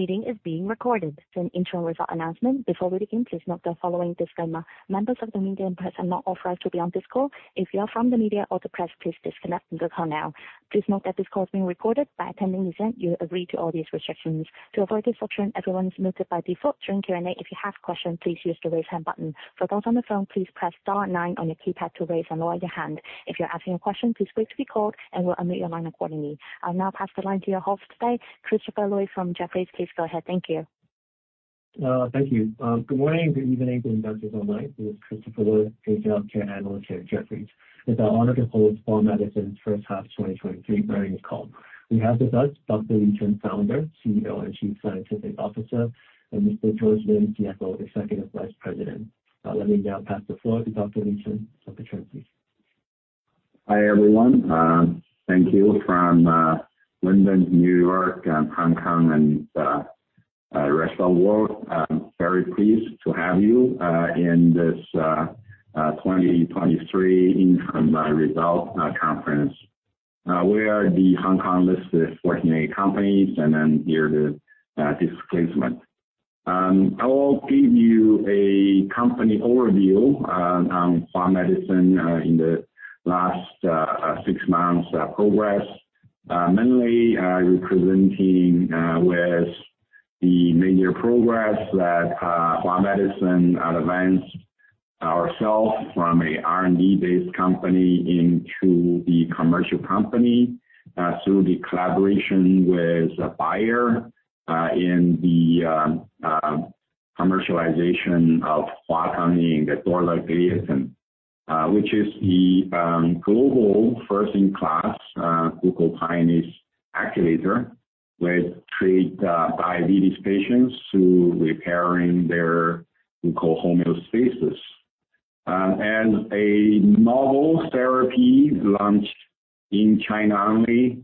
This meeting is being recorded. An interim result announcement. Before we begin, please note the following disclaimer: Members of the media and press are not authorized to be on this call. If you are from the media or the press, please disconnect from the call now. Please note that this call is being recorded. By attending the event, you agree to all these restrictions. To avoid disruption, everyone is muted by default. During Q&A, if you have questions, please use the Raise Hand button. For those on the phone, please press star nine on your keypad to raise and lower your hand. If you're asking a question, please wait to be called, and we'll unmute your line accordingly. I'll now pass the line to your host today, Christopher Lui from Jefferies. Please go ahead. Thank you. Thank you. Good morning, good evening to investors online. This is Christopher Lui, Healthcare Analyst here at Jefferies. It's our honor to host Hua Medicine's first half 2023 earnings call. We have with us Dr. Li Chen, Founder, CEO, and Chief Scientific Officer, and Mr. George Lin, CFO, Executive Vice President. Let me now pass the floor to Dr. Li Chen. Take charge, please. Hi, everyone. Thank you from London, New York, and Hong Kong, and rest of the world. I'm very pleased to have you in this 2023 interim result conference. We are the Hong Kong-listed Fortune A companies, here the disclaimer. I will give you a company overview on Hua Medicine in the last six months of progress. Mainly, representing with the major progress that Hua Medicine advanced ourself from a R&D-based company into the commercial company through the collaboration with Bayer in the commercialization of HuaTangNing, the dorzagliatin, which is the global first-in-class glucokinase activator, which treat diabetes patients to repairing their glucose homeostasis. A novel therapy launched in China only,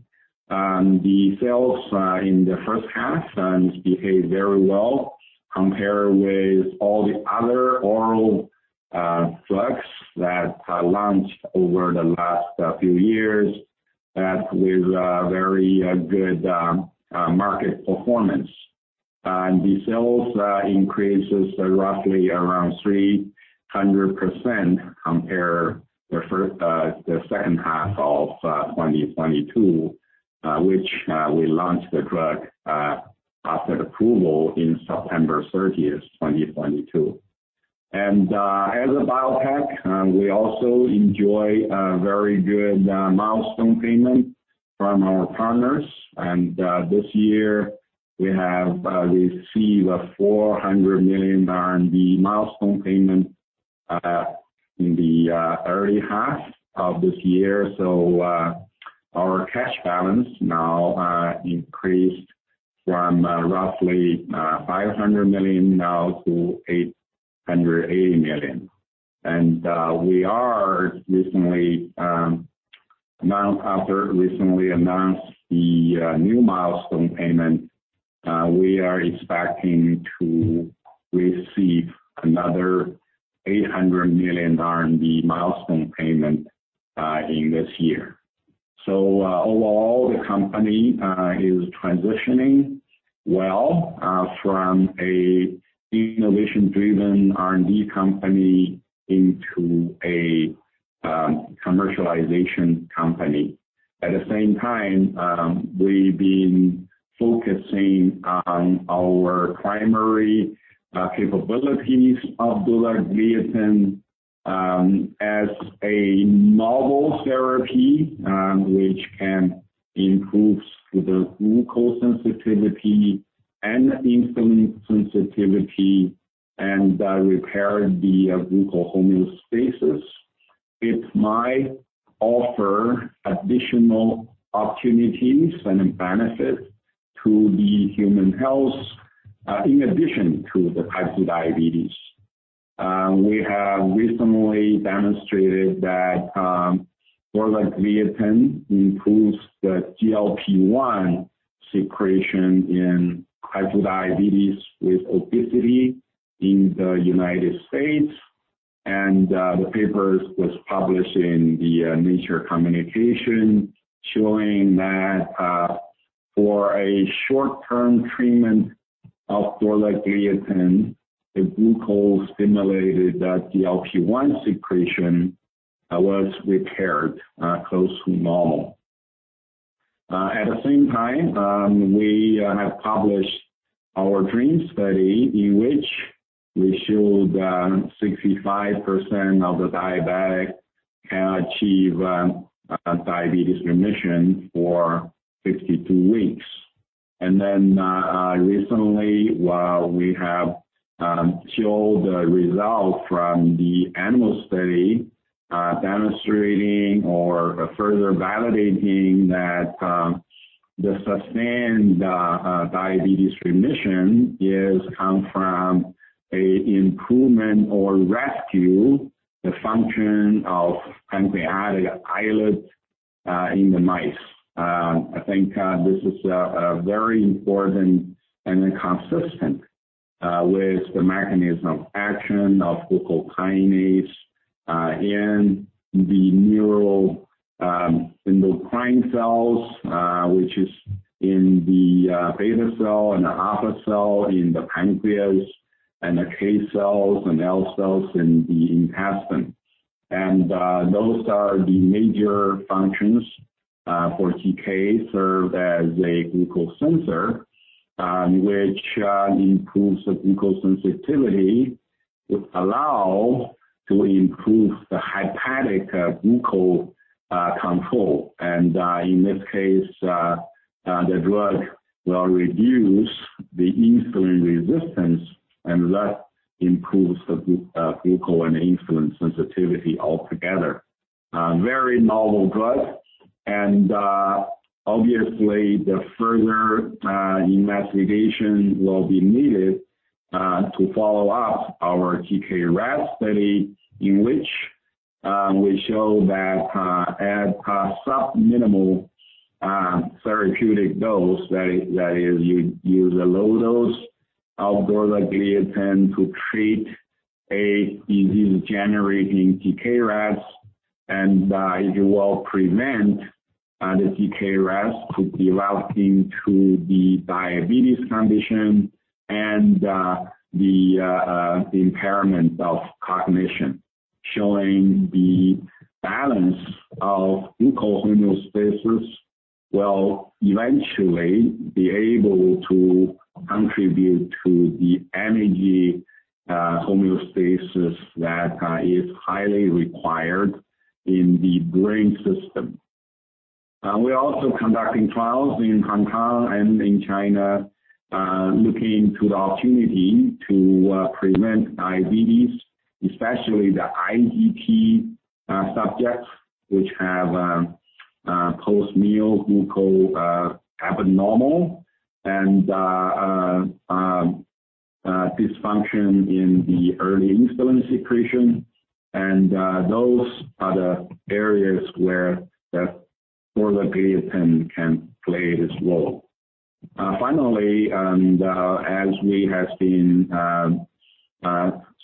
the sales in the first half behaved very well compared with all the other oral drugs that launched over the last few years, that with very good market performance. The sales increases roughly around 300% compare the first, the second half of 2022, which we launched the drug after approval in September 30th, 2022. As a biotech, we also enjoy a very good milestone payment from our partners. This year, we have received a 400 million RMB milestone payment in the early half of this year. Our cash balance now increased from roughly 500 million now to 880 million. We are recently, now after recently announced the new milestone payment, we are expecting to receive another 800 million RMB milestone payment in this year. Overall, the company is transitioning well from a innovation-driven R&D company into a commercialization company. At the same time, we've been focusing on our primary capabilities of dorzagliatin as a novel therapy, which can improve the glucose sensitivity and insulin sensitivity, and repair the glucose homeostasis. It might offer additional opportunities and benefits to the human health in addition to the type two diabetes. We have recently demonstrated that dorzagliatin improves the GLP-1 secretion in Type 2 diabetes with obesity in the United States, and the papers was published in the Nature Communications, showing that for a short-term treatment of dorzagliatin, the glucose stimulated that GLP-1 secretion was repaired close to normal. At the same time, we have published our DREAM study, in which we showed 65% of the diabetic can achieve diabetes remission for 52 weeks. Then, recently, we have showed the result from the animal study, demonstrating or further validating that the sustained diabetes remission is come from a improvement or rescue the function of pancreatic islets in the mice. I think this is a very important and consistent. Mechanism of action of glucokinase, in the neural, endocrine cells, which is in the beta cell and the alpha cell in the pancreas, and the K cells and L cells in the intestine. Those are the major functions for GK, serve as a glucose sensor, which improves the glucose sensitivity, which allow to improve the hepatic glucose control. In this case, the drug will reduce the insulin resistance, and that improves the glucose and insulin sensitivity altogether Very novel drug, and obviously, the further investigation will be needed to follow up our GK rat study, in which we show that at a subminimal therapeutic dose, that is, you use a low dose, our dorzagliatin to treat a disease-generating GK rats, and it will prevent the GK rats to be routing to the diabetes condition and the impairment of cognition. Showing the balance of glucose homeostasis will eventually be able to contribute to the energy homeostasis that is highly required in the brain system. We are also conducting trials in Hong Kong and in China, looking to the opportunity to prevent diabetes, especially the IGT subjects, which have post-meal glucose abnormal, and dysfunction in the early insulin secretion. Those are the areas where the dorzagliatin can play this role. Finally, as we have been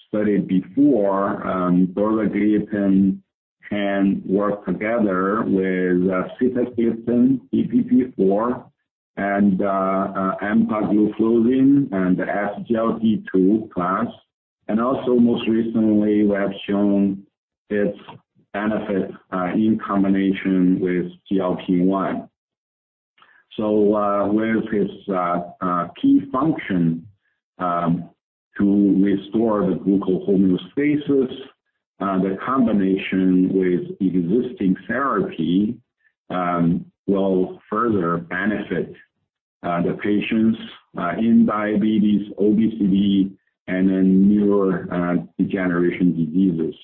studied before, dorzagliatin can work together with sitagliptin, DPP4, and empagliflozin and the SGLT2 class. Most recently, we have shown its benefit in combination with GLP-1. With this key function to restore the glucose homeostasis, the combination with existing therapy will further benefit the patients in diabetes, obesity, and in neuro degeneration diseases.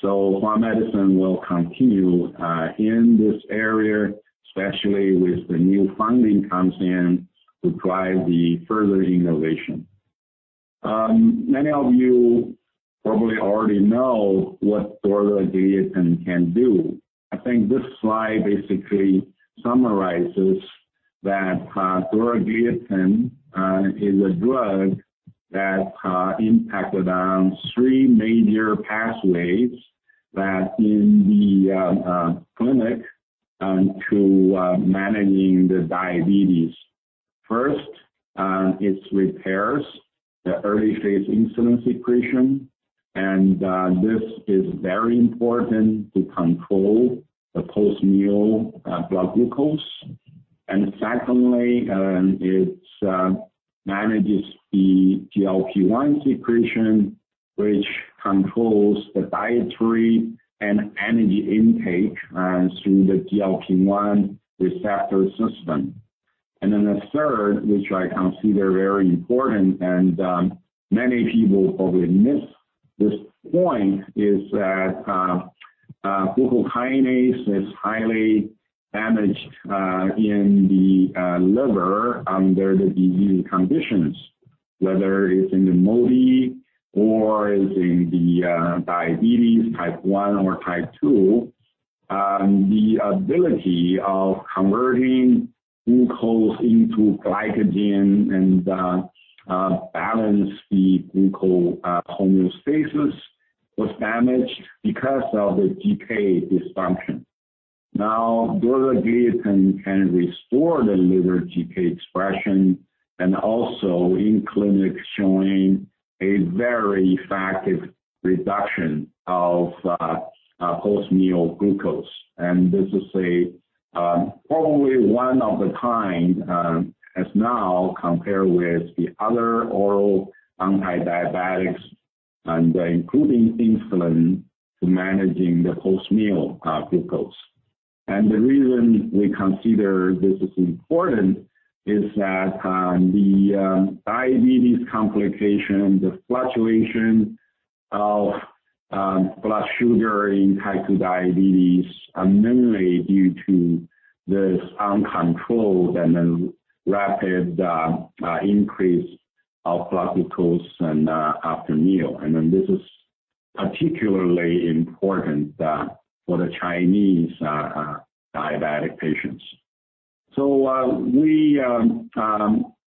Hua Medicine will continue in this area, especially with the new funding comes in to drive the further innovation. Many of you probably already know what dorzagliatin can do. I think this slide basically summarizes that, dorzagliatin, is a drug that impacted on three major pathways that in the clinic to managing the diabetes. First, it repairs the early-phase insulin secretion, and this is very important to control the post-meal blood glucose. Secondly, it manages the GLP-1 secretion, which controls the dietary and energy intake through the GLP-1 receptor system. The third, which I consider very important, and many people probably miss this point, is that glucokinase is highly damaged in the liver under the disease conditions. Whether it's in the MODY or it's in the diabetes Type 1 or Type 2, the ability of converting glucose into glycogen and balance the glucose homeostasis was damaged because of the GK dysfunction. Dorzagliatin can restore the liver GK expression, and also in clinic showing a very effective reduction of post-meal glucose. This is a probably one of a kind as now compared with the other oral antidiabetics, and including insulin, to managing the post-meal glucose. The reason we consider this is important is that the diabetes complication, the fluctuation of blood sugar in Type 2 diabetes are mainly due to this uncontrolled and then rapid increase of blood glucose and after meal. This is particularly important for the Chinese diabetic patients. We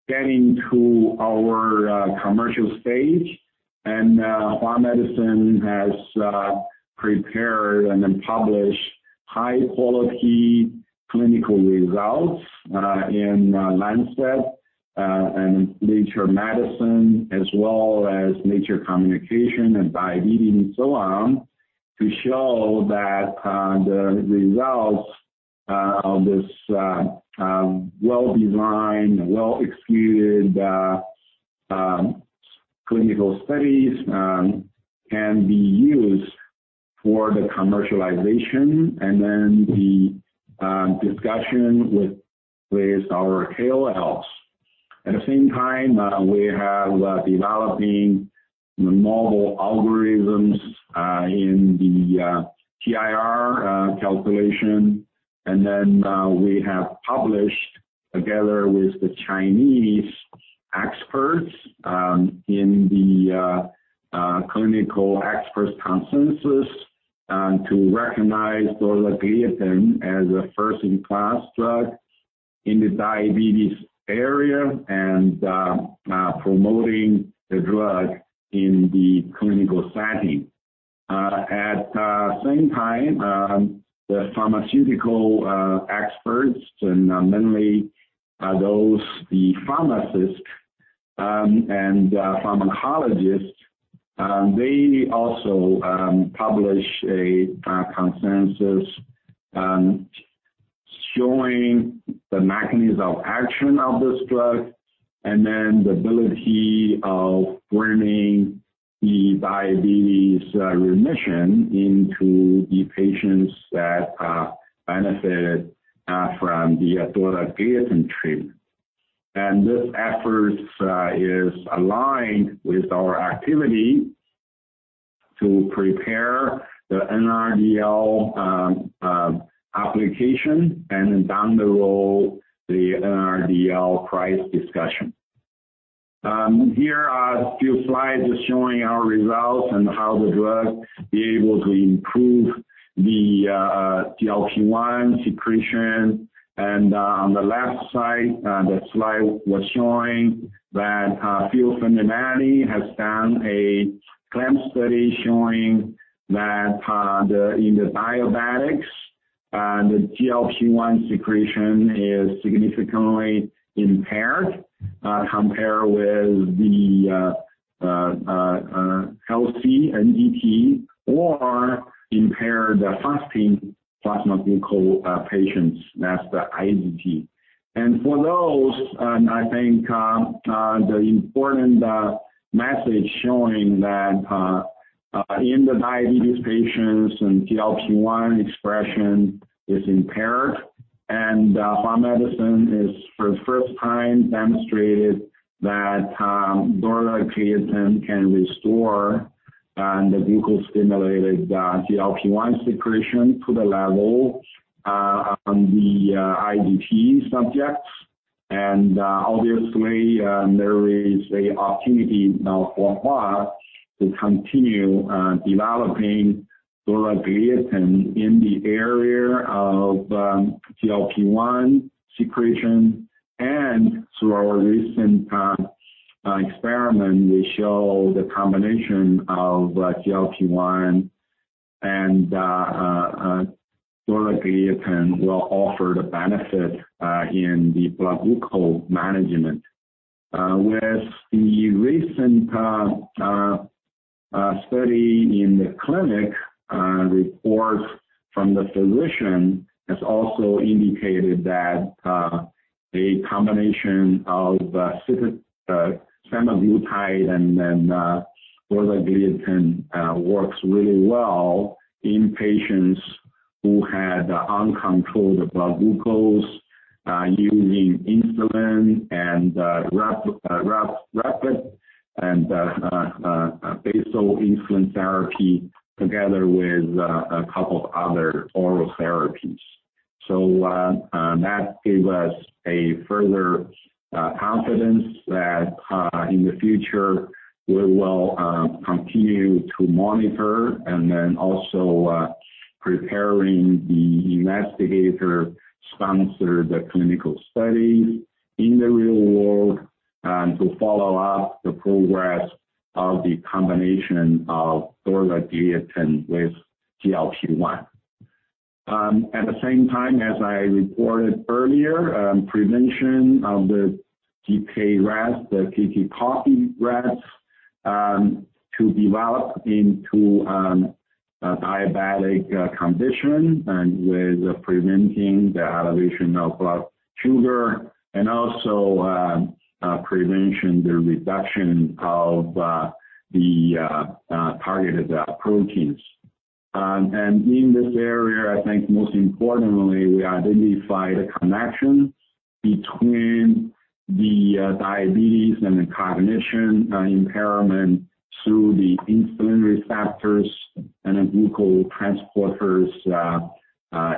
getting to our commercial stage, and Hua Medicine has prepared and then published high-quality clinical results in Lancet, and Nature Medicine, as well as Nature Communications and Diabetes, and so on, to show that the results of this well-designed, well-executed clinical studies can be used for the commercialization, and then the discussion with our KOLs. At the same time, we have developing the model algorithms in the TIR calculation, and then we have published, together with the Chinese experts, in the clinical experts consensus, to recognize dorzagliatin as a first-in-class drug in the diabetes area, and promoting the drug in the clinical setting. Uh, at the same time, um, the pharmaceutical, uh, experts, and mainly, uh, those, the pharmacists, um, and, uh, pharmacologists, um, they also, um, publish a, uh, consensus, um, showing the mechanism of action of this drug, and then the ability of bringing the diabetes, uh, remission into the patients that, uh, benefit, uh, from the dorzagliatin treatment. And this effort, uh, is aligned with our activity to prepare the NRDL, um, uh, application, and then down the road, the NRDL price discussion. Um, here are a few slides just showing our results and how the drug be able to improve the, uh, uh, GLP-1 secretion. On the left side, the slide was showing that Ralph DeFronzo has done a claim study showing that the, in the diabetics, the GLP-1 secretion is significantly impaired, compared with the healthy NGT, or impaired fasting plasma glucose patients, that's the IGT. For those, I think the important message showing that in the diabetes patients and GLP-1 expression is impaired, and Hua Medicine is for the first time demonstrated that dorzagliatin can restore the glucose-stimulated GLP-1 secretion to the level on the IGT subjects. Obviously, there is a opportunity now for Hua to continue developing dorzagliatin in the area of GLP-1 secretion. Through our recent experiment, we show the combination of GLP-1 and dorzagliatin will offer the benefit in the blood glucose management. With the recent study in the clinic, reports from the physician has also indicated that a combination of semaglutide and then dorzagliatin works really well in patients who had uncontrolled blood glucose using insulin and rapid and basal insulin therapy together with a couple of other oral therapies. That gave us a further confidence that in the future, we will continue to monitor and then also preparing the investigator, sponsor the clinical study in the real world, and to follow up the progress of the combination of dorzagliatin with GLP-1. as I reported earlier, prevention of the GK rats, the KK-Ay mice to develop into a diabetic condition and with preventing the elevation of blood sugar, and also prevention, the reduction of the targeted proteins. In this area, I think most importantly, we identify the connection between the diabetes and the cognition impairment through the insulin receptors and the glucose transporters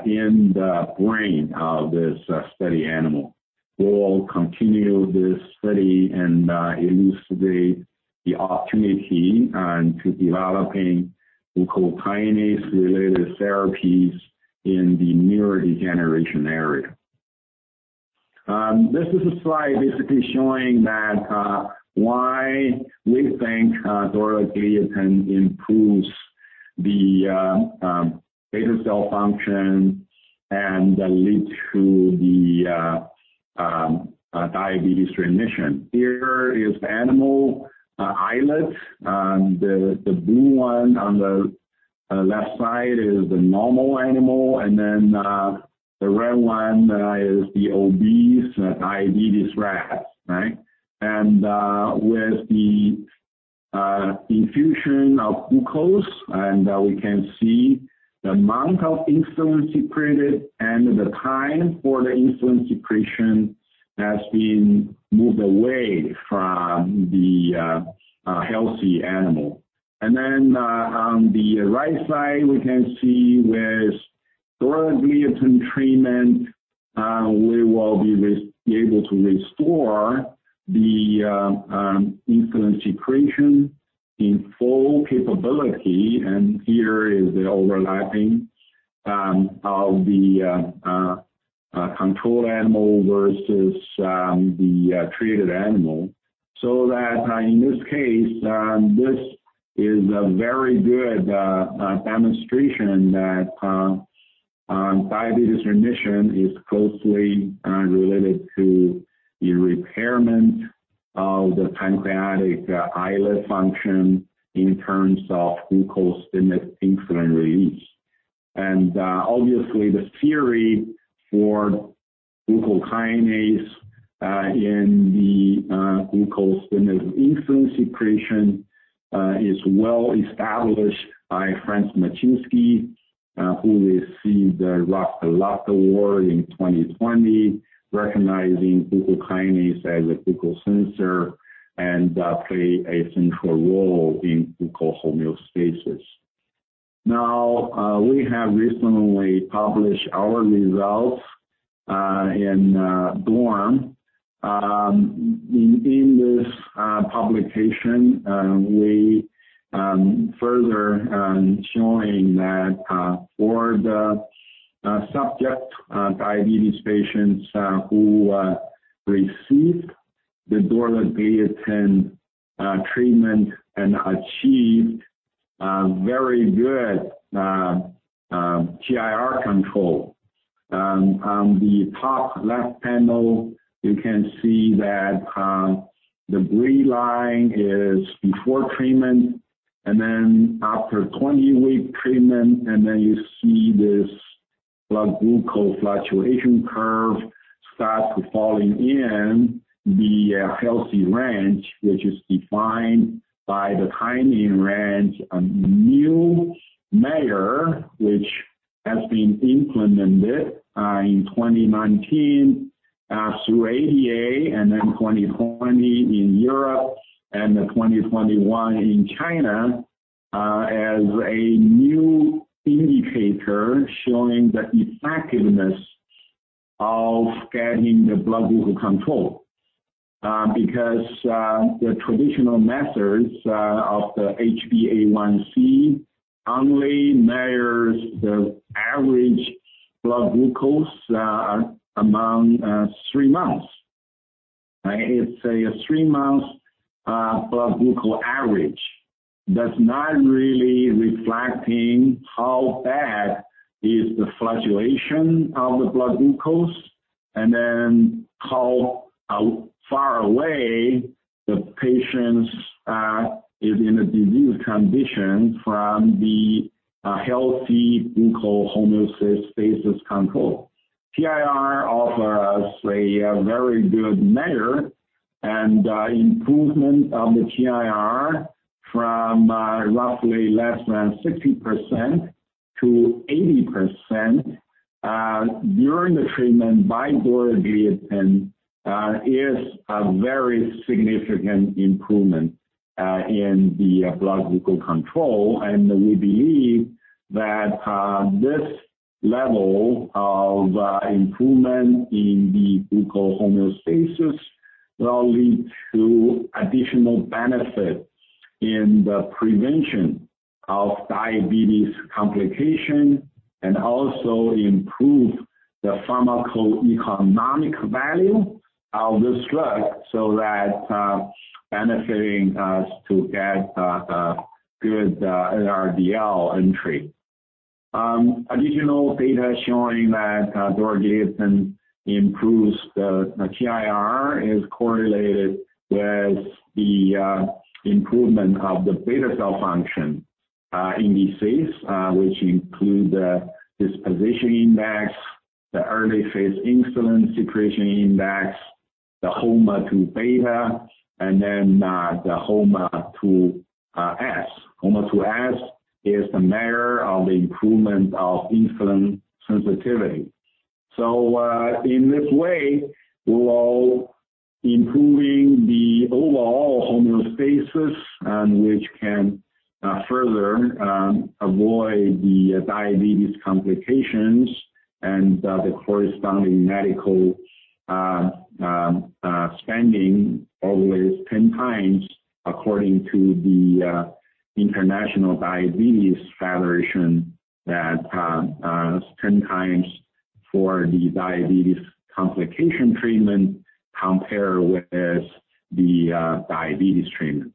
in the brain of this study animal. We'll continue this study and illustrate the opportunity and to developing glucokinase-related therapies in the neurodegeneration area. This is a slide basically showing that why we think dorzagliatin improves the beta cell function and lead to the diabetes remission. Here is the animal islet, the blue one on the left side is the normal animal. The red one is the obese diabetes rat, right? With the infusion of glucose, we can see the amount of insulin secreted, and the time for the insulin secretion has been moved away from the healthy animal. On the right side, we can see with dorzagliatin treatment, we will be able to restore the insulin secretion in full capability. Here is the overlapping of the control animal versus the treated animal. That, in this case, this is a very good demonstration that diabetes remission is closely related to the repairment of the pancreatic islet function in terms of glucose-stimulated insulin release. Obviously, the theory for glucokinase in the glucose-stimulated insulin secretion is well established by Franz Matschinsky, who received the Lasker Award in 2020, recognizing glucokinase as a glucose sensor and play a central role in glucose homeostasis. We have recently published our results in DAWN. In this publication, we further showing that for the subject diabetes patients who received the dorzagliatin treatment and achieved very good TIR control. On the top left panel, you can see that the gray line is before treatment, and then after 20-week treatment, and then you see this blood glucose fluctuation curve start falling in the healthy range, which is defined by the Time in Range, a new measure, which has been implemented in 2019 through ADA, and then 2020 in Europe, and then 2021 in China, as a new indicator showing the effectiveness of getting the blood glucose control. Because the traditional methods of the HbA1c only measures the average blood glucose among three months. It's a three-month blood glucose average. That's not really reflecting how bad is the fluctuation of the blood glucose, and then how, how far away the patient's is in a disease condition from the healthy glucose homeostasis control. TIR offer us a, a very good measure, and improvement of the TIR from roughly less than 60%-80% during the treatment by dorzagliatin is a very significant improvement in the blood glucose control. We believe that this level of improvement in the glucose homeostasis will lead to additional benefits in the prevention of diabetes complication, and also improve the pharmacoeconomic value of this drug, so that benefiting us to get a good NRDL entry. Additional data showing that dorzagliatin improves the TIR is correlated with the improvement of the beta cell function indices, which include the disposition index, the early phase insulin secretion index, the HOMA2-%B, and then the HOMA2S. HOMA2S is the measure of the improvement of insulin sensitivity. improving and which can further avoid the diabetes complications and the corresponding medical spending always 10x, according to the International Diabetes Federation, that 10x for the diabetes complication treatment compared with the diabetes treatment.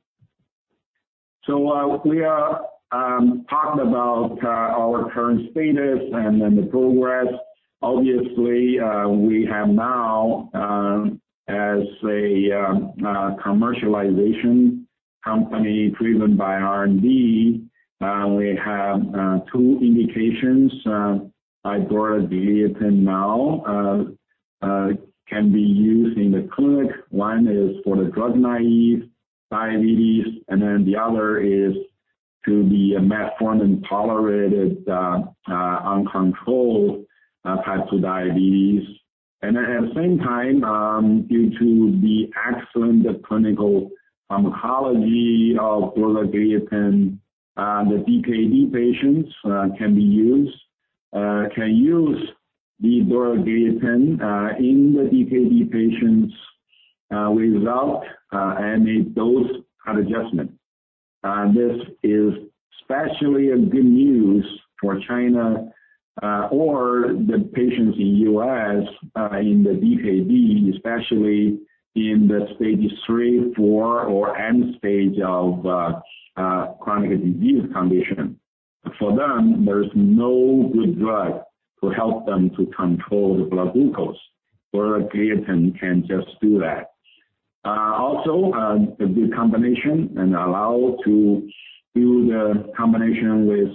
We are talking about our current status and then the progress. Obviously, we have now as a commercialization company driven by R&D, we have two indications. Our dorzagliatin now can be used in the clinic. One is for the drug-naive diabetes, and then the other is to the metformin-tolerated uncontrolled Type 2 diabetes. At the same time, due to the excellent clinical pharmacology of dorzagliatin, the DKD patients can be used, can use the dorzagliatin in the DKD patients without any dose adjustment. This is especially a good news for China, or the patients in U.S., in the DKD, especially in the stage 3, 4, or end stage of chronic disease condition. For them, there is no good drug to help them to control the blood glucose. Dorzagliatin can just do that. Also, the combination and allow to do the combination with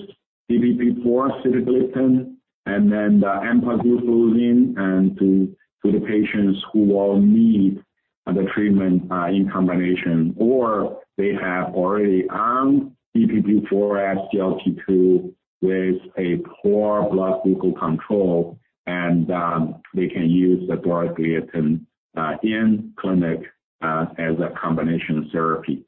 DPP4 sitagliptin, and then the empagliflozin, and to the patients who will need the treatment in combination, or they have already on DPP4 SGLT2, with a poor blood glucose control, and they can use the dorzagliatin in clinic as a combination therapy.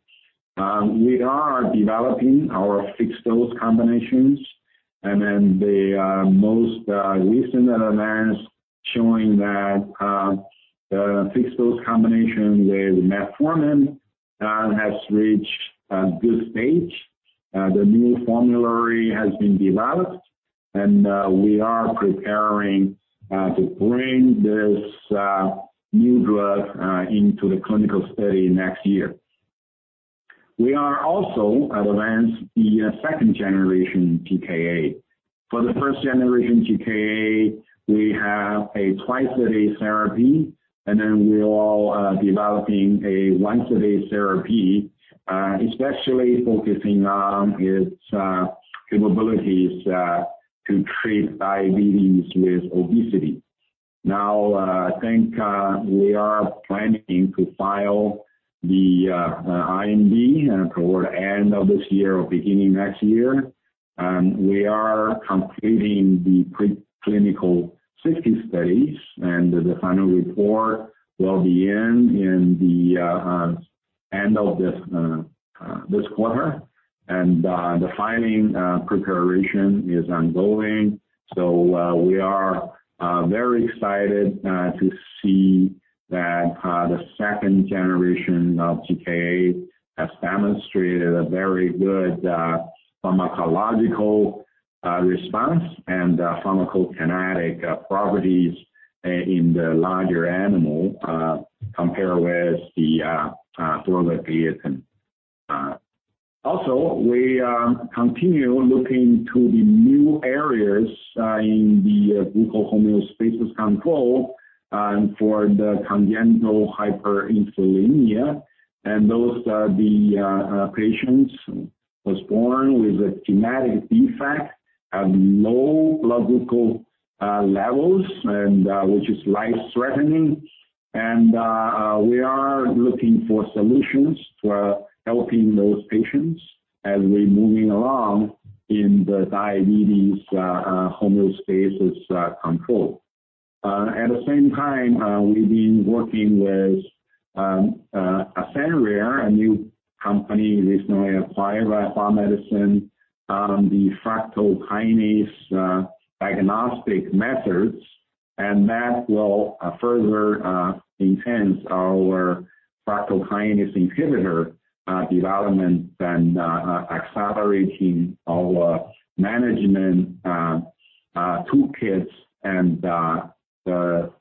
We are developing our fixed-dose combinations, and then the most recent advance, showing that the fixed-dose combination with metformin has reached a good stage. The new formulary has been developed, and we are preparing to bring this new drug into the clinical study next year. We are also advanced the second-generation GKA. For the 1st-generation GKA, we have a twice a day therapy, and then we're all developing a once a day therapy, especially focusing on its capabilities to treat diabetes with obesity. Now, I think we are planning to file the IND toward the end of this year or beginning next year. We are completing the preclinical safety studies, and the final report will be in, in the end of this this quarter. The filing preparation is ongoing. We are very excited to see that the 2nd generation of GKA has demonstrated a very good pharmacological response and pharmacokinetic properties in the larger animal, compared with the dorzagliatin. Also, we are continuing looking to the new areas in the glucose homeostasis control for the congenital hyperinsulinism. Those are the patients was born with a genetic defect, have low blood glucose levels and which is life-threatening. We are looking for solutions to helping those patients as we're moving along in the diabetes homeostasis control. At the same time, we've been working with AscendRare, a new company recently acquired by Hua Medicine, the fructokinase diagnostic methods, that will further enhance our fructokinase inhibitor development and accelerating our management toolkits and the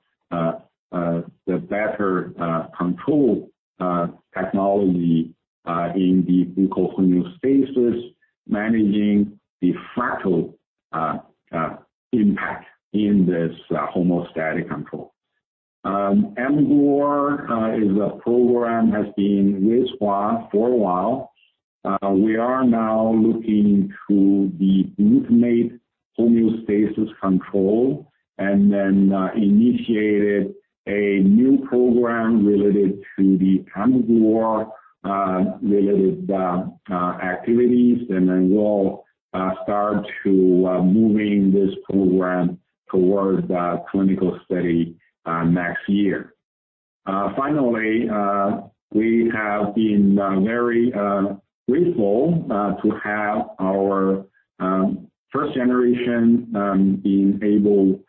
better control technology in the glucose homeostasis, managing the fructose impact in this homeostatic control. mGluR is a program has been with Hua for a while. We are now looking to the glutamate homeostasis control, and then initiated a new program related to the mGluR related activities, and then we'll start to moving this program towards the clinical study next year. Finally, we have been very grateful to have our first generation being able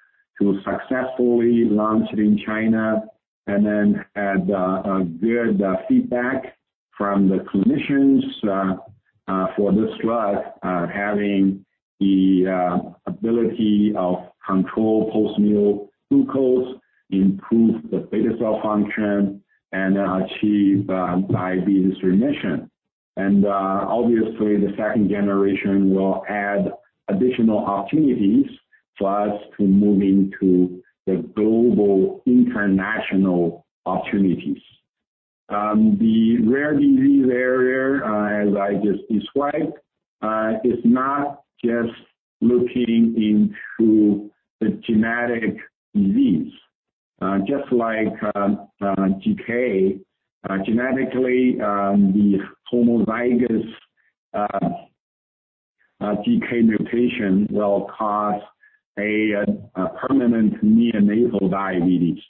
to successfully launch it in China, and then had a good feedback from the clinicians for this drug having the ability of control post-meal glucose, improve the beta cell function, and achieve diabetes remission. Obviously, the second generation will add additional opportunities for us to move into the global international opportunities. The rare disease area, as I just described, is not just looking into the genetic disease. Just like GCK, genetically, the homozygous GCK mutation will cause a permanent neonatal diabetes.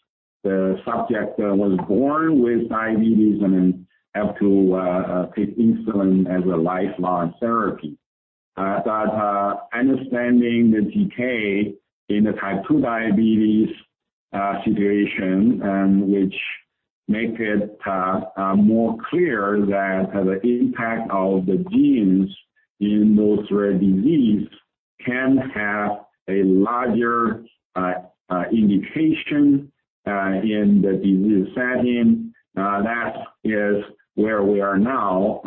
The subject was born with diabetes and then have to take insulin as a lifelong therapy. Understanding the GCK in the Type 2 diabetes situation, and which make it more clear that the impact of the genes in those rare disease can have a larger indication in the disease setting. That is where we are now.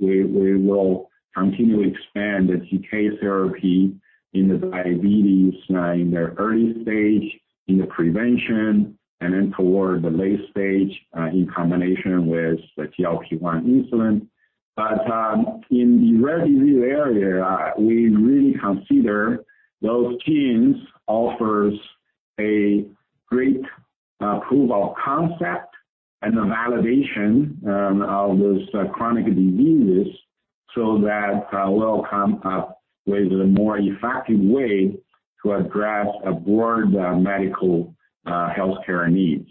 We will continue to expand the GCK therapy in the diabetes, in the early stage, in the prevention, and then toward the late stage, in combination with the GLP-1 insulin. In the rare disease area, we really consider those genes offers a great proof of concept and a validation of those chronic diseases, so that will come up with a more effective way to address a broad medical healthcare needs.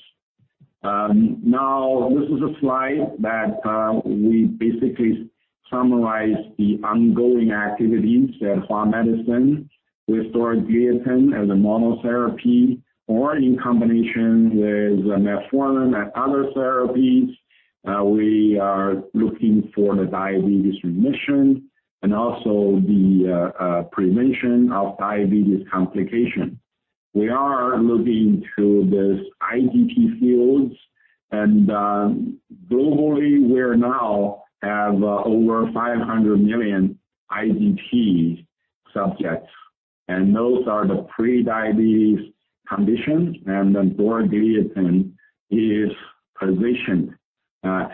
Now, this is a slide that we basically summarize the ongoing activities at Hua Medicine with dorzagliatin as a monotherapy or in combination with metformin and other therapies. We are looking for the diabetes remission and also the prevention of diabetes complication. We are looking to this IGT fields, and globally, we're now have over 500 million IGT subjects, and those are the pre-diabetes conditions, and the dorzagliatin is positioned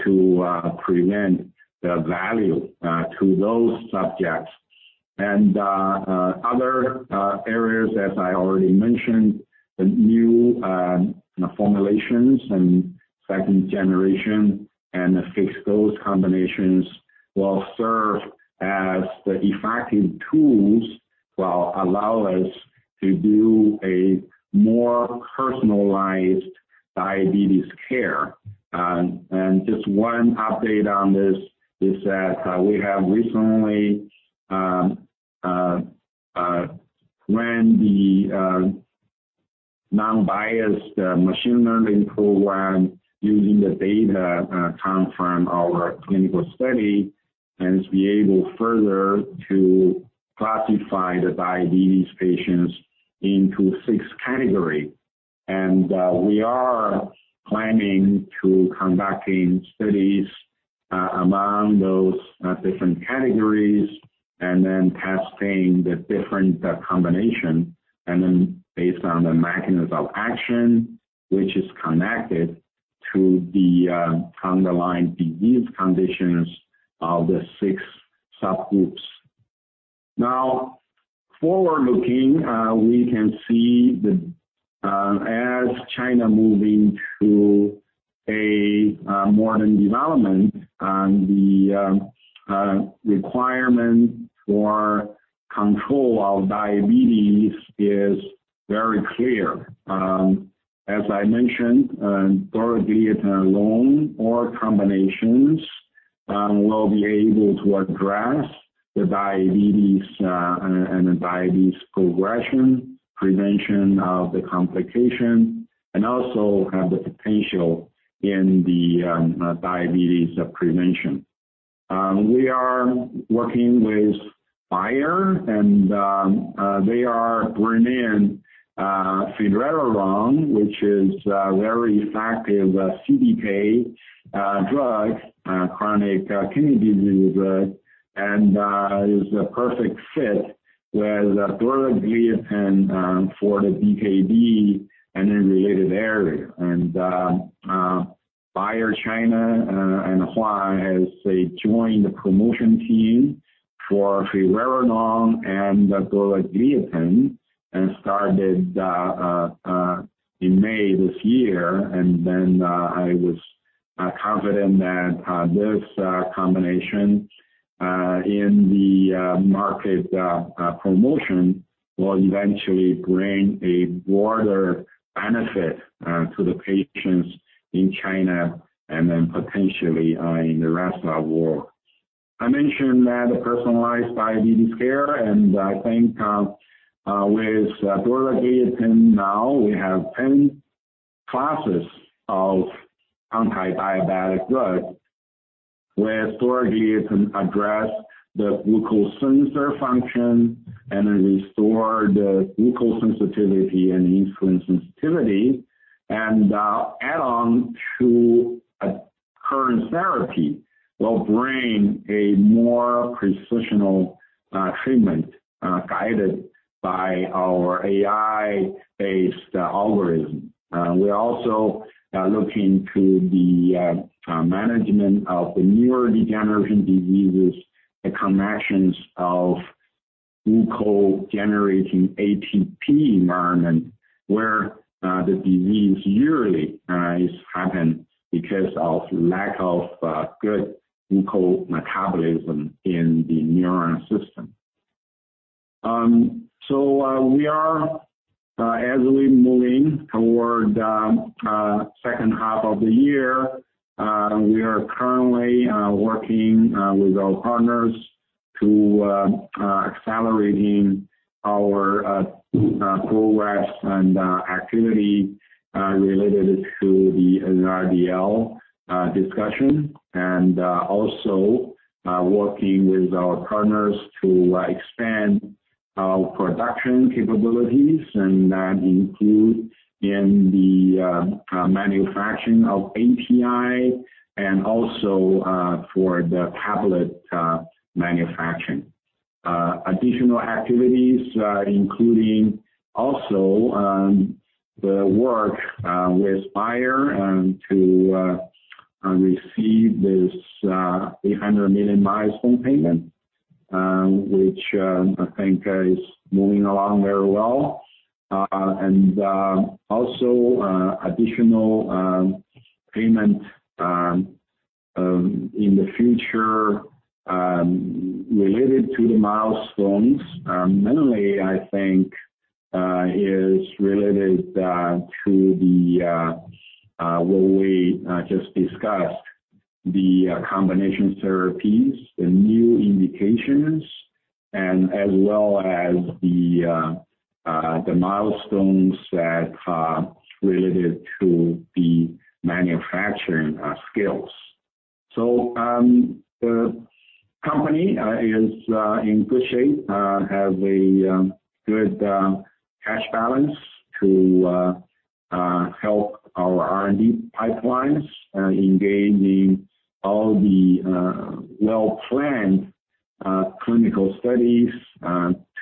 to prevent the value to those subjects. Other areas, as I already mentioned, the new formulations and second generation, and the fixed-dose combinations will serve as the effective tools, will allow us to do a more personalized diabetes care. Just one update on this, is that we have recently run the non-biased machine learning program using the data come from our clinical study, and be able further to classify the diabetes patients into six category. We are planning to conducting studies among those different categories and then testing the different combination, and then based on the mechanism of action, which is connected to the underlying disease conditions of the six subgroups. Now, forward-looking, we can see the, as China moving to a modern development, the requirement for control of diabetes is very clear. As I mentioned, dorzagliatin alone or combinations will be able to address the diabetes, and the diabetes progression, prevention of the complication, and also have the potential in the diabetes prevention. We are working with Bayer, they are bringing finerenone, which is a very effective CKD drug, chronic kidney disease drug, and is a perfect fit with dorzagliatin for the DKD and in related area. Bayer China and Hua has a joined the promotion team for finerenone and the dorzagliatin, and started in May this year, and then. confident that this combination in the market promotion will eventually bring a broader benefit to the patients in China and then potentially in the rest of world. I mentioned that a personalized diabetes care. I think with dorzagliatin now, we have 10 classes of antidiabetic drug, where dorzagliatin address the glucose sensor function and restore the glucose sensitivity and insulin sensitivity, and add on to a current therapy will bring a more precisional treatment guided by our AI-based algorithm. We're also looking to the management of the neurodegenerative diseases, the connections of glucose-generating ATP environment, where the disease yearly is happened because of lack of good glucose metabolism in the neuron system. We are, as we moving toward second half of the year, we are currently working with our partners to accelerating our progress and activity related to the NRDL discussion, and also working with our partners to expand our production capabilities, and that include in the manufacturing of API and also for the tablet manufacturing. Additional activities, including also the work with Bayer and to receive this 800 million milestone payment, which, I think is moving along very well. New Era of Diabetes Management** **George Lin:** Good morning, everyone. Today, we're excited to share some significant updates regarding Hua Medicine's progress and future outlook. We've been diligently working on our R&D pipelines, and I'm pleased to announce that we have a robust cash balance to support our ambitious plans. This financial stability allows us to engage in well-planned clinical studies, which are set to commence next year. Our focus remains on innovative therapies for diabetes and metabolism. We've been particularly encouraged by the progress in our combination therapies and new indications for dorzagliatin, our first-in-class oral antidiabetic therapy. These advancements, along with milestones related to manufacturing capabilities, are key drivers of our future growth and potential additional payments. For a detailed financial update, I'll now pass the line to our CFO and Executive Vice President, George Lin. George Sure. Thanks, Dr. Chen. As Dr. Chen had mentioned, a lot of good progress in the first half. Next slide. Dr. Chen, can you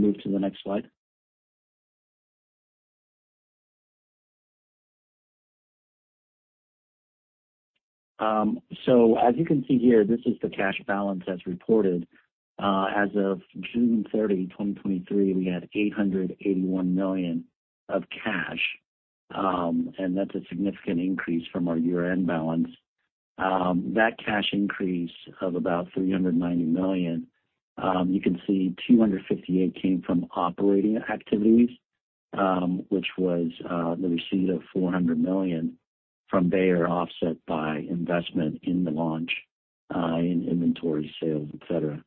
move to the next slide? As you can see here, this is the cash balance as reported. As of June 30, 2023, we had 881 million of cash, and that's a significant increase from our year-end balance. That cash increase of about 390 million, you can see 258 million came from operating activities, which was the receipt of 400 million from Bayer, offset by investment in the launch, in inventory sales, et cetera.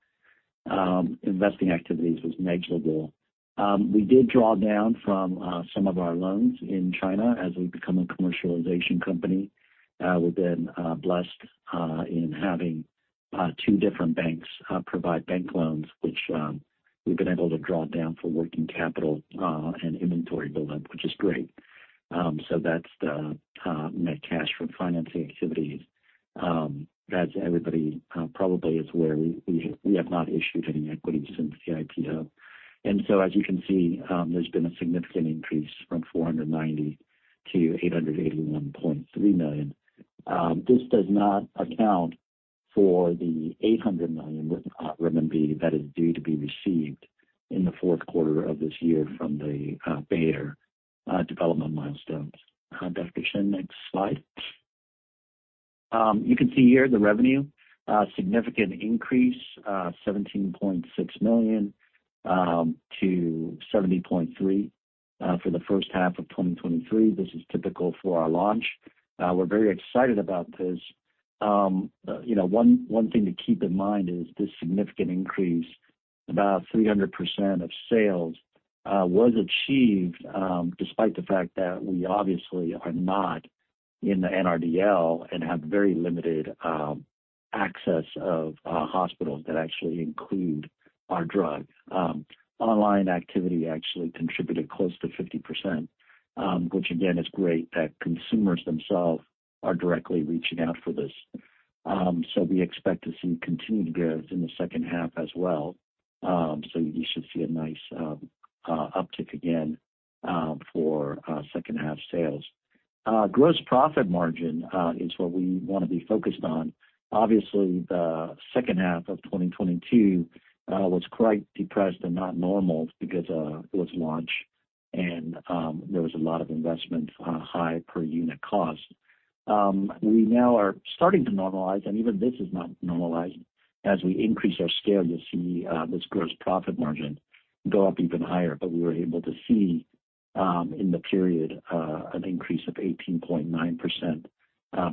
Investing activities was negligible. We did draw down from some of our loans in China as we become a commercialization company. We've been blessed in having two different banks provide bank loans, which we've been able to draw down for working capital and inventory build-up, which is great. That's the net cash from financing activities. As everybody probably is aware, we have not issued any equity since the IPO. As you can see, there's been a significant increase from 490 million-881.3 million. This does not account for the 800 million RMB that is due to be received in the fourth quarter of this year from the Bayer development milestones. Dr. Chen, next slide. You can see here the revenue, significant increase, 17.6 million-70.3 million for the first half of 2023. This is typical for our launch. We're very excited about this. You know, one thing to keep in mind is this significant increase, about 300% of sales, was achieved despite the fact that we obviously are not in the NRDL and have very limited access of hospitals that actually include our drug. Online activity actually contributed close to 50%, which again, is great that consumers themselves are directly reaching out for this. We expect to see continued growth in the second half as well. You should see a nice uptick again for second half sales. Gross profit margin is what we want to be focused on. Obviously, the second half of 2022 was quite depressed and not normal because it was launch and there was a lot of investment, high per unit cost. We now are starting to normalize, and even this is not normalized. As we increase our scale, you'll see this gross profit margin go up even higher. We were able to see in the period an increase of 18.9%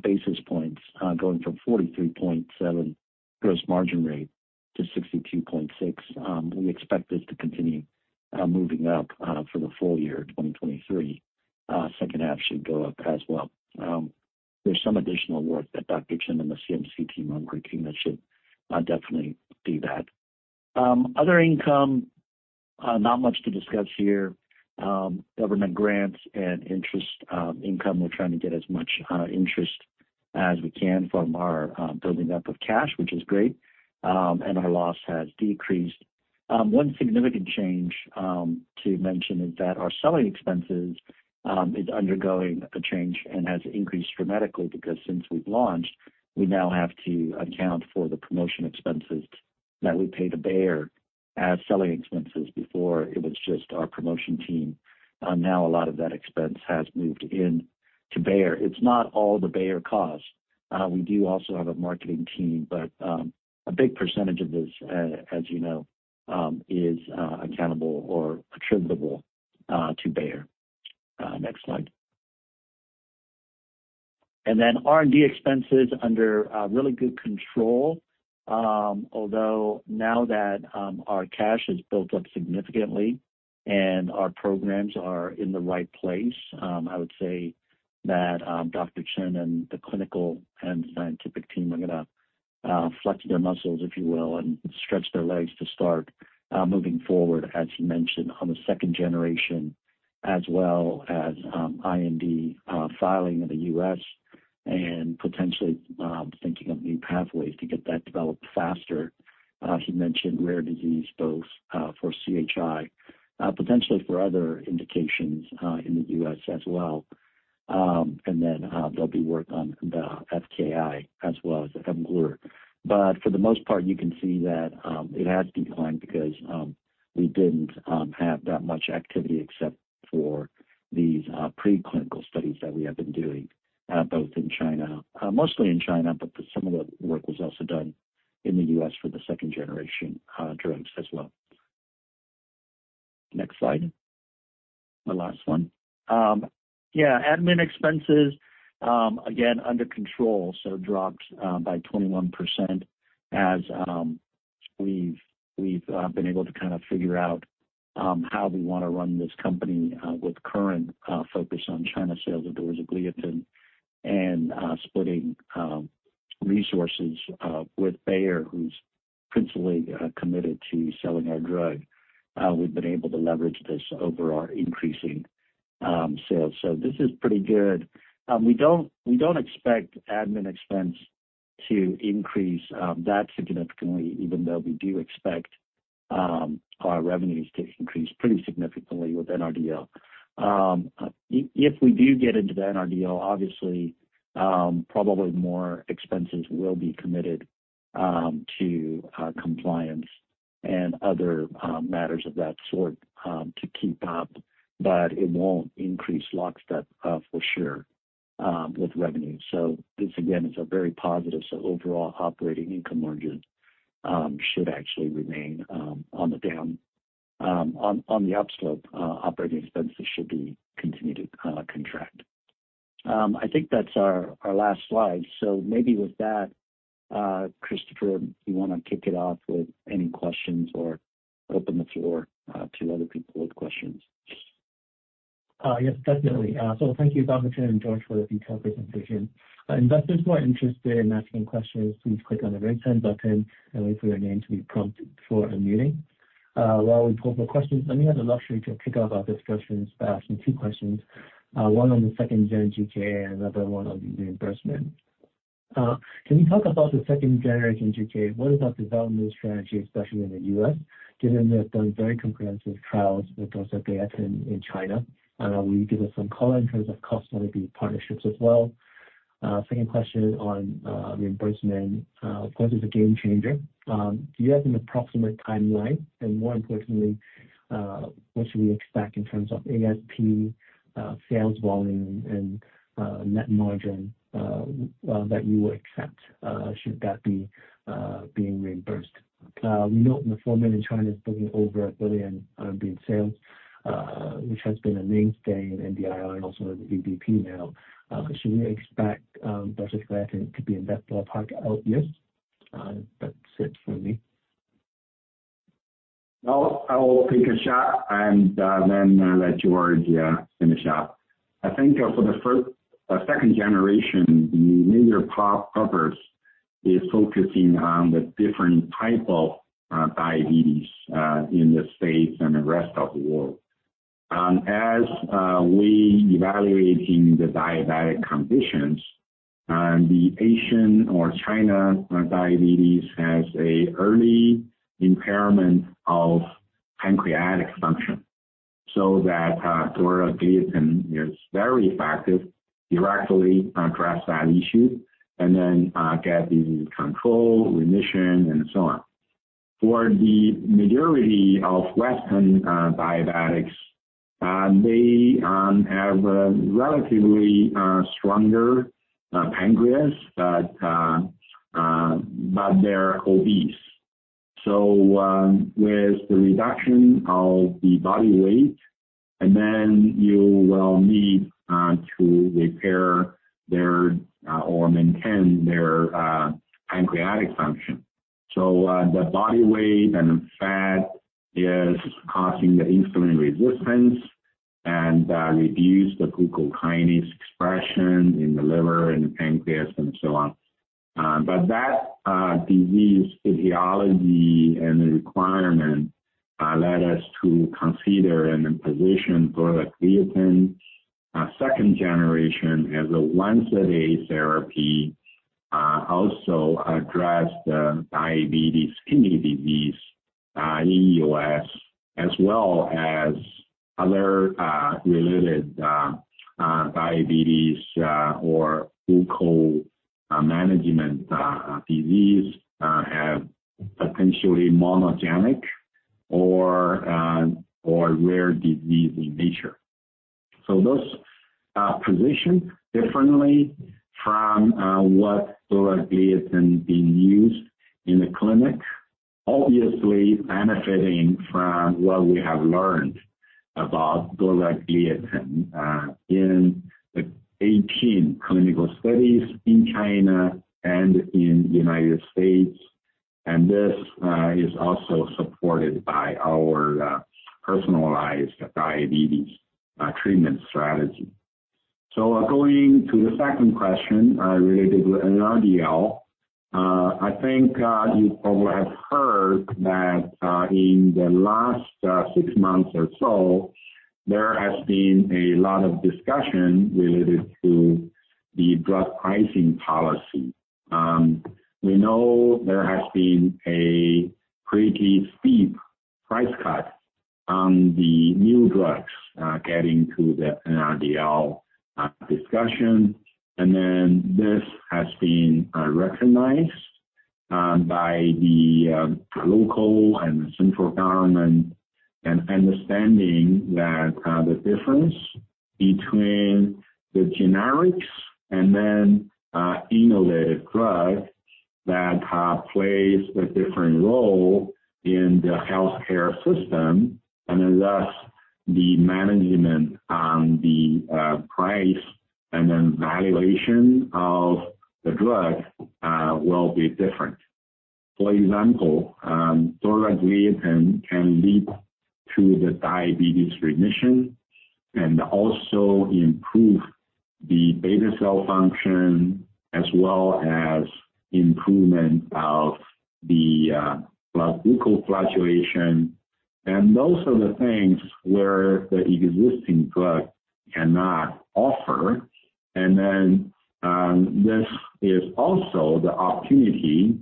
basis points, going from 43.7 gross margin rate to 62.6. We expect this to continue moving up for the full year, 2023. Second half should go up as well. There's some additional work that Dr. Chen and the CMC team are working that should definitely do that. Other income, not much to discuss here. Government grants and interest income. We're trying to get as much interest as we can from our building up of cash, which is great. Our loss has decreased. One significant change to mention is that our selling expenses is undergoing a change and has increased dramatically. Since we've launched, we now have to account for the promotion expenses that we pay to Bayer as selling expenses. Before it was just our promotion team, now a lot of that expense has moved in to Bayer. It's not all the Bayer cost. We do also have a marketing team, but a big percentage of this, as you know, is accountable or attributable to Bayer. Next slide. R&D expenses under really good control. Although now that our cash has built up significantly and our programs are in the right place, I would say that Dr. Chen and the clinical and scientific team are gonna flex their muscles, if you will, and stretch their legs to start moving forward, as he mentioned, on the second generation, as well as IND filing in the U.S. and potentially thinking of new pathways to get that developed faster. He mentioned rare disease, both for CHI, potentially for other indications in the U.S. as well. There'll be work on the FKI as well as mGlur. For the most part, you can see that, it has declined because we didn't have that much activity except for these preclinical studies that we have been doing, both in China. Mostly in China, but some of the work was also done in the U.S. for the second-generation drugs as well. Next slide. The last one. Yeah, Admin expenses, again, under control, so dropped by 21% as we've, we've been able to kind of figure out how we want to run this company, with current focus on China sales of dorzagliatin and splitting resources with Bayer, who's principally committed to selling our drug. We've been able to leverage this over our increasing sales. This is pretty good. We don't, we don't expect admin expense to increase that significantly, even though we do expect our revenues to increase pretty significantly with NRDL. If we do get into the NRDL, obviously, probably more expenses will be committed to compliance and other matters of that sort to keep up, but it won't increase lockstep for sure with revenue. This again, is a very positive. Overall operating income margin should actually remain on the down. On, on the upslope, operating expenses should be continued to contract. I think that's our, our last slide. Maybe with that, Christopher, you want to kick it off with any questions or open the floor to other people with questions? Yes, definitely. Thank you, Dr. Chen and George, for the detailed presentation. Investors who are interested in asking questions, please click on the Raise Hand button and wait for your name to be prompted for unmuting. While we pull the questions, let me have the luxury to kick off our discussions by asking two questions, one on the second gen GKA and another one on the reimbursement. Can you talk about the second-generation GKA? What is our development strategy, especially in the U.S., given they've done very comprehensive trials with dorzagliatin in China? Will you give us some color in terms of costs, maybe partnerships as well? Second question on reimbursement. Of course, it's a game changer. Do you have an approximate timeline? More importantly, what should we expect in terms of ASP, sales volume and net margin that you would accept, should that be being reimbursed? We note in the format in China is bringing over $1 billion being sales, which has been a mainstay in NDI and also in the EVP now. Should we expect dorzagliatin to be in that ballpark out years? That's it for me. I'll, I'll take a shot and, then, let George finish up. I think, for the second generation, the major purpose.... is focusing on the different type of diabetes in the States and the rest of the world. As we evaluating the diabetic conditions, and the Asian or China diabetes has a early impairment of pancreatic function, so that dorzagliatin is very effective, directly address that issue, and then get the control, remission, and so on. For the majority of Western diabetics, they have a relatively stronger pancreas, but they're obese. With the reduction of the body weight, then you will need to repair their or maintain their pancreatic function. The body weight and the fat is causing the insulin resistance, and reduce the glucokinase expression in the liver and the pancreas and so on. That disease physiology and the requirement led us to consider and position dorzagliatin, second generation, as a once-a-day therapy, also address the diabetes kidney disease in U.S., as well as other related diabetes or glucose management disease as potentially monogenic or rare disease in nature. This position differently from what dorzagliatin being used in the clinic, obviously benefiting from what we have learned about dorzagliatin in the 18 clinical studies in China and in the United States, and this is also supported by our personalized diabetes treatment strategy. Going to the second question, related with NRDL, I think you probably have heard that in the last six months or so, there has been a lot of discussion related to the drug pricing policy. We know there has been a pretty steep price cut on the new drugs, getting to the NRDL discussion. This has been recognized by the local and central government, and understanding that the difference between the generics and innovative drugs that plays a different role in the healthcare system, and thus the management on the price and valuation of the drug will be different. For example, dorzagliatin can lead to the diabetes remission and also improve the beta cell function, as well as improvement of the blood glucose fluctuation. Those are the things where the existing drug cannot offer. This is also the opportunity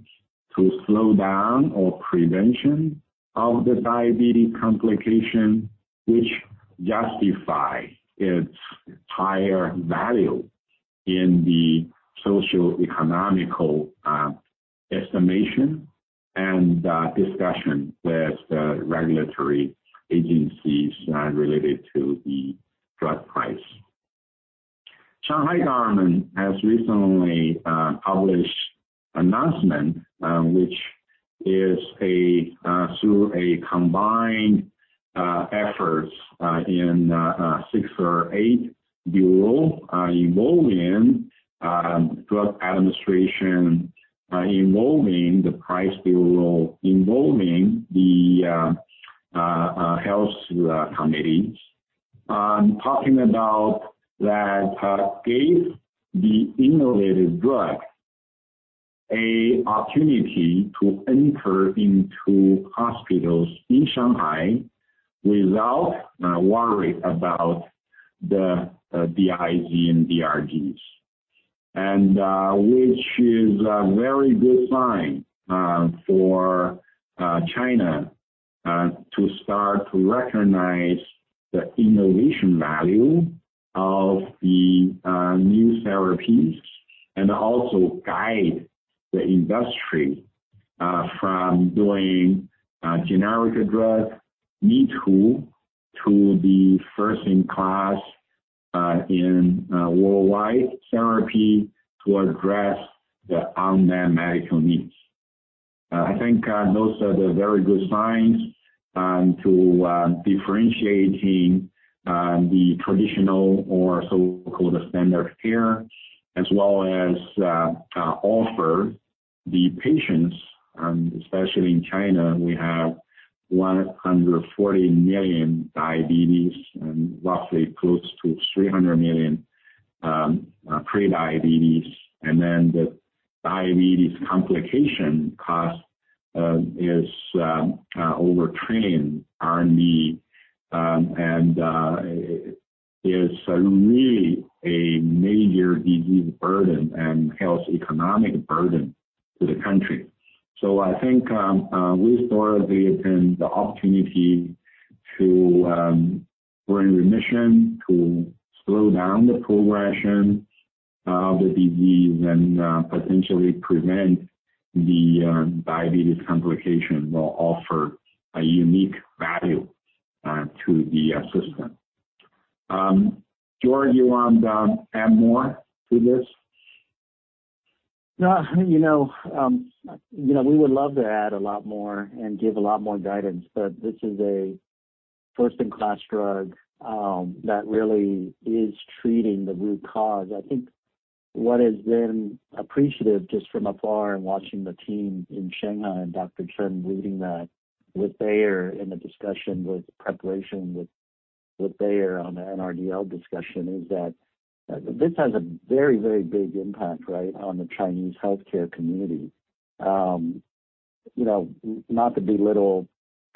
to slow down or prevention of the diabetes complication, which justify its higher value in the socioeconomical estimation, and discussion with the regulatory agencies related to the drug price. Shanghai government has recently published announcement, which is a through a combined efforts in 6 or 8 bureau, involving drug administration, involving the price bureau, involving the health committees. Talking about that, gave the innovative drug a opportunity to enter into hospitals in Shanghai without worry about the DIP and DRGs. Which is a very good sign for China to start to recognize the innovation value of the new therapies, and also guide the industry from doing generic drug me-too, to the first-in-class in worldwide therapy to address the unmet medical needs. I think those are the very good signs to differentiating the traditional or so-called standard of care, as well as offer the patients, especially in China, we have 140 million diabetes and roughly close to 300 million pre-diabetes. The diabetes complication cost is over RMB 10. It's really a major disease burden and health economic burden to the country. I think we saw the opportunity to bring remission, to slow down the progression of the disease, and potentially prevent the diabetes complication will offer a unique value to the system. George, you want to add more to this? No, you know, you know, we would love to add a lot more and give a lot more guidance, but this is a first-in-class drug that really is treating the root cause. I think what has been appreciative, just from afar and watching the team in Shanghai and Dr. Chen leading that, with Bayer in the discussion, with preparation, with, with Bayer on the NRDL discussion, is that this has a very, very big impact, right, on the Chinese healthcare community. You know, not to belittle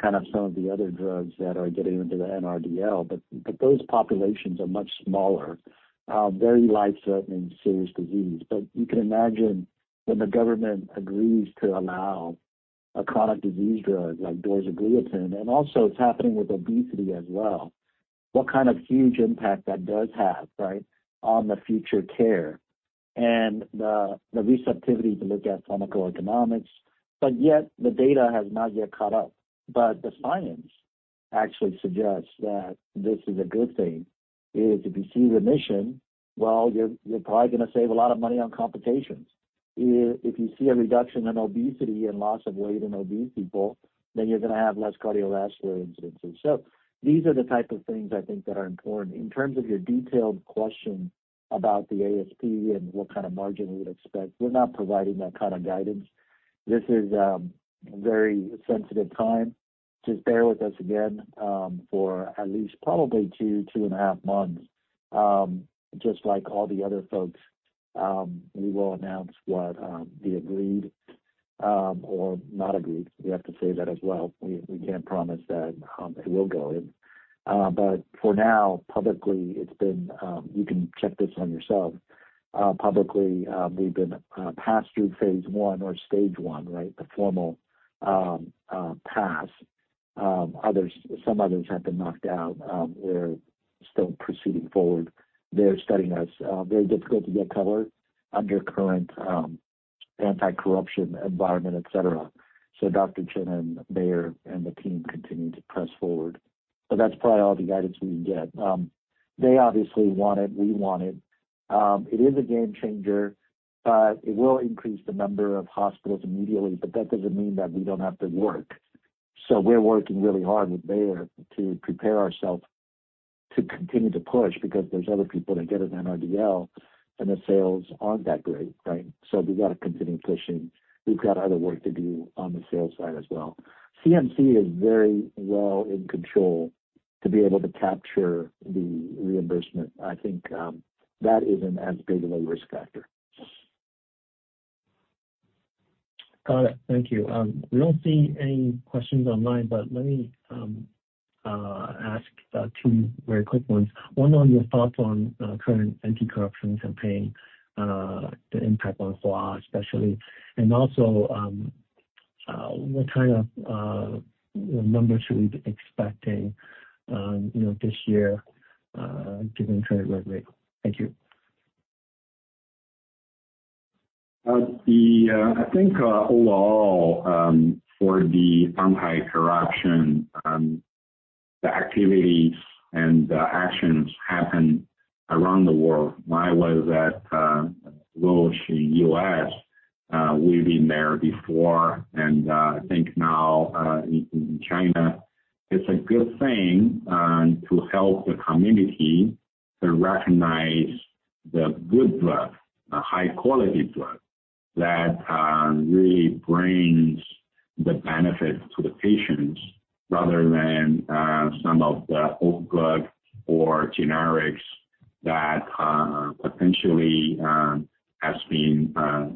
kind of some of the other drugs that are getting into the NRDL, but, but those populations are much smaller, very life-threatening, serious disease. You can imagine when the government agrees to allow a chronic disease drug like dorzagliatin, and also it's happening with obesity as well, what kind of huge impact that does have, right, on the future care and the receptivity to look at pharmacoeconomics. Yet the data has not yet caught up. The science actually suggests that this is a good thing, is if you see remission, well, you're probably going to save a lot of money on complications. If you see a reduction in obesity and loss of weight in obese people, then you're going to have less cardiovascular incidences. These are the type of things I think that are important. In terms of your detailed question about the ASP and what kind of margin we would expect, we're not providing that kind of guidance. This is a very sensitive time. Just bear with us again, for at least probably 2, 2.5 months. Just like all the other folks, we will announce what the agreed, or not agreed, we have to say that as well. We can't promise that it will go in. For now, publicly, it's been, you can check this on yourself. Publicly, we've been passed through phase I or stage 1, right, the formal pass. Others. Some others have been knocked out. We're still proceeding forward. They're studying us. Very difficult to get covered under current anti-corruption environment, et cetera. Dr. Chen and Bayer and the team continue to press forward. That's probably all the guidance we can get. They obviously want it. We want it. It is a game changer, it will increase the number of hospitals immediately, but that doesn't mean that we don't have to work. We're working really hard with Bayer to prepare ourselves to continue to push, because there's other people that get an NRDL, and the sales aren't that great, right? We got to continue pushing. We've got other work to do on the sales side as well. CMC is very well in control to be able to capture the reimbursement. I think that isn't as big of a risk factor. Got it. Thank you. We don't see any questions online, but let me ask two very quick ones. One, on your thoughts on current anti-corruption campaign, the impact on Hua, especially, and also, what kind of numbers should we be expecting, you know, this year, given current regulatory? Thank you. Uh, the, uh, I think, uh, overall, um, for the Shanghai corruption, um, the activities and the actions happen around the world. When I was at, uh, Roche in U.S., uh, we've been there before, and, uh, I think now, uh, in, in China, it's a good thing, uh, to help the community to recognize the good drug, a high-quality drug, that, uh, really brings the benefit to the patients, rather than, uh, some of the old drug or generics that, uh, potentially, um, has been, uh,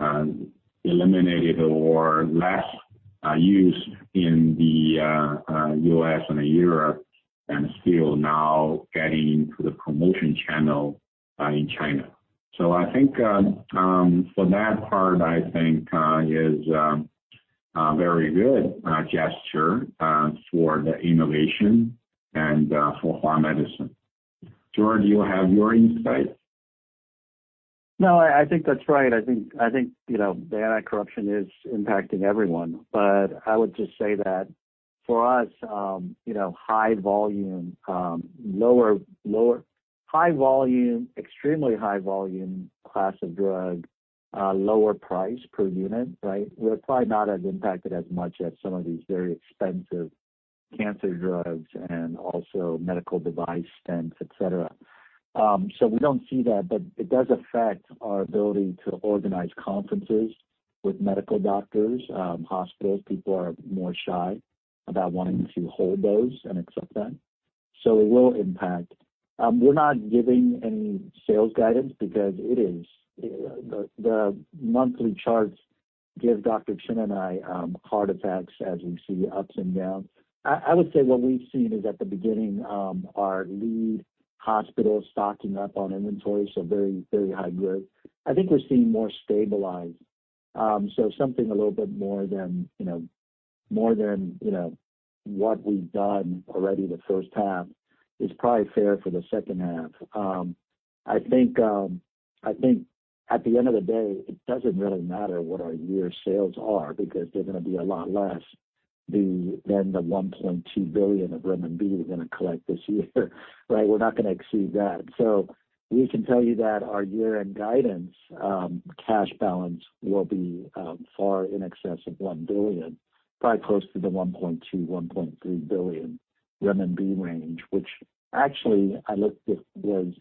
um, eliminated or less, uh, used in the, uh, uh, U.S. and Europe, and still now getting into the promotion channel, uh, in China. So I think, um, um, for that part, I think, uh, is, uh, a very good, uh, gesture, uh, for the innovation and, uh, for Hua Medicine. George, do you have your insight? No, I think that's right. I think, you know, the anti-corruption is impacting everyone. I would just say that for us, you know, high volume, extremely high volume class of drug, lower price per unit, right? We're probably not as impacted as much as some of these very expensive-... cancer drugs and also medical device stents, et cetera. We don't see that, but it does affect our ability to organize conferences with medical doctors, hospitals. People are more shy about wanting to hold those and accept them, so it will impact. We're not giving any sales guidance because it is, the, the monthly charts give Dr. Chen and I heart attacks as we see ups and downs. I, I would say what we've seen is at the beginning, our lead hospital stocking up on inventory, so very, very high growth. I think we're seeing more stabilized. Something a little bit more than, you know, more than, you know, what we've done already the first half is probably fair for the second half. I think, I think at the end of the day, it doesn't really matter what our year sales are because they're gonna be a lot less than the 1.2 billion renminbi we're gonna collect this year, right? We're not gonna exceed that. We can tell you that our year-end guidance, cash balance will be far in excess of 1 billion, probably close to the 1.2 billion-1.3 billion renminbi range, which actually I looked it was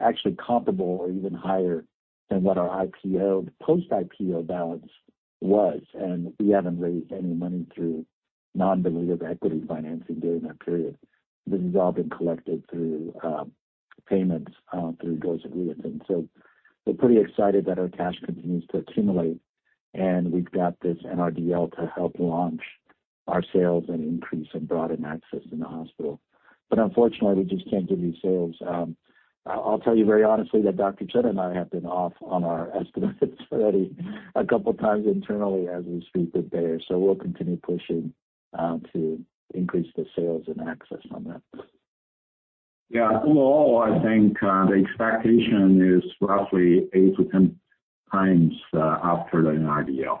actually comparable or even higher than what our IPO, post-IPO balance was. We haven't raised any money through non-dilutive equity financing during that period. This has all been collected through payments through those agreements. We're pretty excited that our cash continues to accumulate, and we've got this NRDL to help launch our sales and increase and broaden access in the hospital. Unfortunately, we just can't give you sales. I, I'll tell you very honestly that Dr. Chen and I have been off on our estimates already a couple of times internally as we speak with Bayer. We'll continue pushing to increase the sales and access on that. Yeah. Overall, I think the expectation is roughly 8x-10x after the NRDL.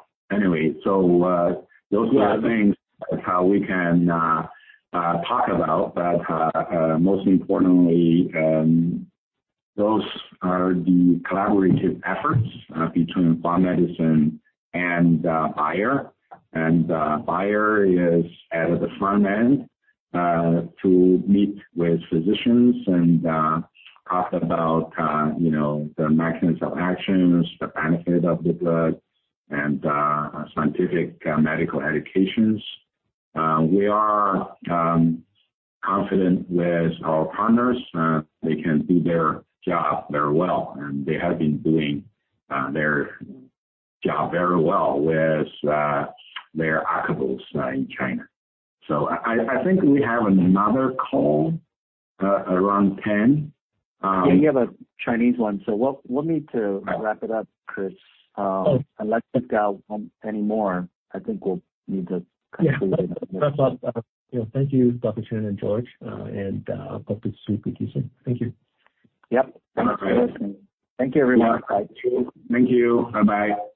Those are the things that how we can talk about. Most importantly, those are the collaborative efforts between Hua Medicine and Bayer. Bayer is at the front end to meet with physicians and talk about, you know, the mechanisms of actions, the benefit of the drug, and scientific medical educations. We are confident with our partners, they can do their job very well, and they have been doing their job very well with their Acarbose in China. I, I, I think we have another call around 10. Yeah, we have a Chinese one, so we'll, we'll need to wrap it up, Chris. Oh. Unless we've got one anymore, I think we'll need to conclude. Yeah. First off, thank you, Dr. Chen and George. Hope to see you pretty soon. Thank you. Yep. Okay. Thank you, everyone. Thank you. Bye-bye.